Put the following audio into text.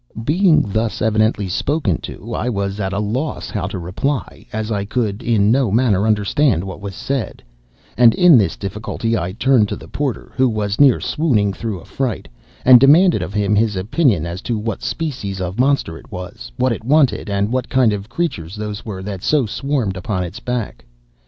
"'Being thus evidently spoken to, I was at a loss how to reply, as I could in no manner understand what was said; and in this difficulty I turned to the porter, who was near swooning through affright, and demanded of him his opinion as to what species of monster it was, what it wanted, and what kind of creatures those were that so swarmed upon its back.